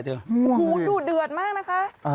โหดูดเดือดมากนะคะ